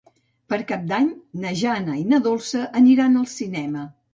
Per Cap d'Any na Jana i na Dolça aniran al cinema.